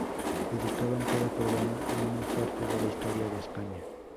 Dedicaban cada programa a una parte de la Historia de España.